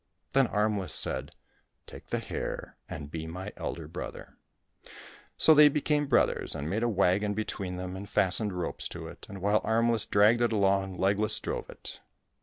Then Armless said, " Take the hare and be my elder brother !" So they became brothers, and made a wagon between them, and fastened ropes to it, and while Armless dragged it along Legless drove it.